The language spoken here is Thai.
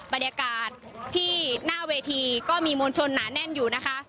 บรรยากาศที่หน้าเวทีก็มีมวลชนหนาแน่นอยู่นะคะ